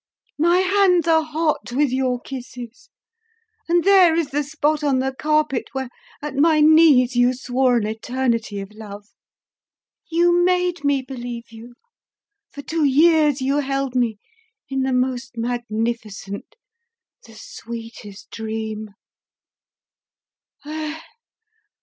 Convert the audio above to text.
My hands are hot with your kisses, and there is the spot on the carpet where at my knees you swore an eternity of love! You made me believe you; for two years you held me in the most magnificent, the sweetest dream!